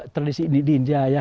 tradisi di india ya